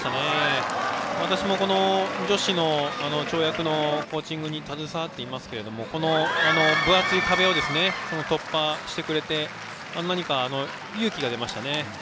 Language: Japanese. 私も女子の跳躍のコーチングに携わっていますが分厚い壁を突破してくれて何か、勇気が出ましたね。